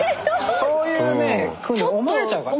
そういうねふうに思われちゃうから。